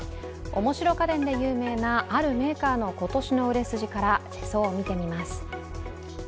面白家電で有名なあるメーカーの今年の売れ筋から世相を見てみます。